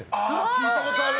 聞いたことある！